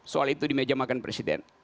soal itu di meja makan presiden